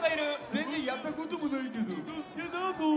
全然やったこともないけど。